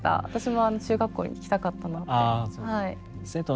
私もあの中学校に行きたかったなって。